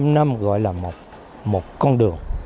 một trăm linh năm gọi là một con đường